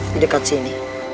di dekat sini